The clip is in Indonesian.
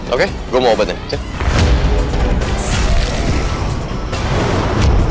oke gua mau obatnya cek